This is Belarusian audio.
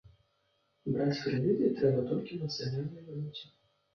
Браць крэдыты трэба толькі ў нацыянальнай валюце.